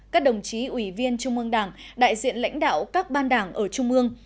các đồng chí ủy viên trung ương đảng đại diện lãnh đạo các ban đảng ở trung ương